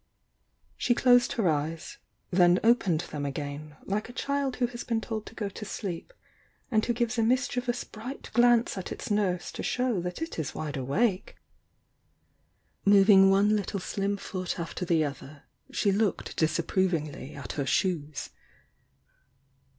She closed her eyes — then opened them again, like a child who has been told to go to sleep and who gives a mischievous bright glance at its nurse to show that it is wide awake. Moving one little slim foot after the other she looked disapprovingly at her shoes.